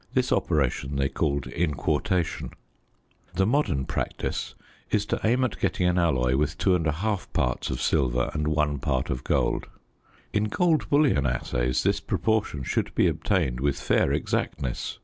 This operation they called inquartation. The modern practice is to aim at getting an alloy with 2 1/2 parts of silver and 1 part of gold. In gold bullion assays this proportion should be obtained with fair exactness.